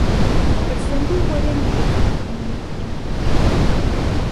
A simple wooden mace was used in the interim.